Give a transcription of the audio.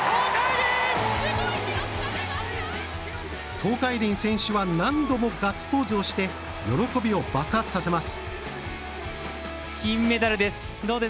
東海林選手は何度もガッツポーズをして喜びを爆発させます。